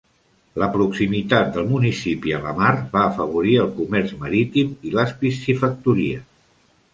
La proximitat del municipi a la mar va afavorir el comerç marítim i les piscifactories.